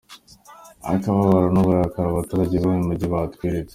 "Akababaro n'uburakari abaturage b'uyu mujyi batweretse.